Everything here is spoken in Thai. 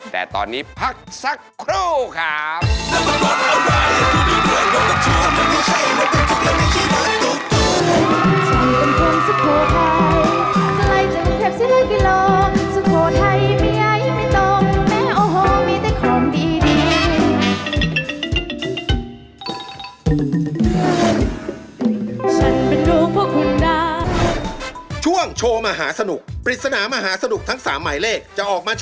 แต่ตอนนี้พักสักครู่ครับ